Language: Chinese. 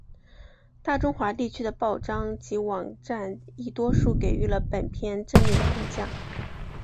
大中华地区的报章及网站亦多数给予了本片正面评价。